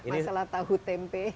masalah tahu tempe